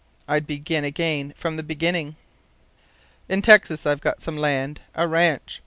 I'd begin again from the beginning. "In Texas I've got some land a ranch.